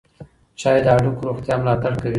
چای د هډوکو روغتیا ملاتړ کوي.